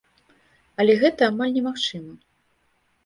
Але гэта амаль немагчыма.